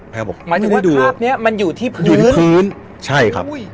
แพร่วบอกไม่ได้ดูหมายถึงว่าคราบเนี้ยมันอยู่ที่พื้นอยู่ที่พื้นใช่ครับ